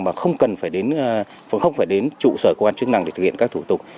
mà không cần phải không phải đến trụ sở cơ quan chức năng để thực hiện các thủ tục